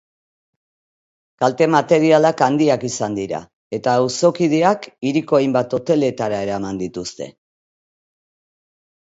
Kalte materialak handiak izan dira eta auzokideak hiriko hainbat hoteletara eraman dituzte.